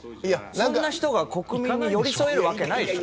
そんな人が、国民に寄り添えるわけないでしょ。